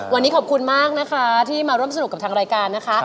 วันนี้ขอบคุณมากนะคะที่มาร่วมสนุกกับทางรายการนะคะ